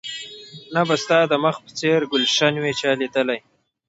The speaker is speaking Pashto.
نه به ستا د مخ په څېر ګلش وي چا ليدلى